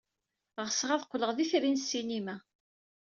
Ɣseɣ ad qqleɣ d itri n ssinima.